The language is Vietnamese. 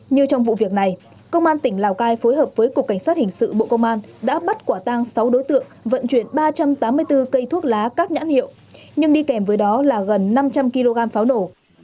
như trong vụ việc này công an tỉnh lào cai phối hợp với cục cảnh sát hình sự bộ công an đã bắt quả tang sáu đối tượng vận chuyển ba trăm tám mươi bốn cây thuốc lá các nhãn hiệu nhưng đi kèm với đó là gần năm trăm linh kg pháo nổ